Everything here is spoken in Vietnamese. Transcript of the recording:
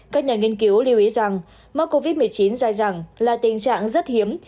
các nhà nghiên cứu lưu ý rằng mắc covid một mươi chín dài dẳng là tình trạng rất hiếm